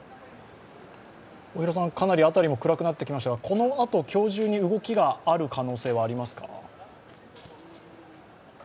かなり辺りも暗くなってきましたがこのあと今日中に動きがある可能性はありますか？